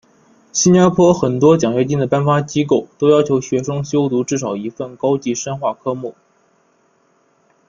新加坡很多奖学金的颁发机构都要求学生修读至少一份高级深化科目。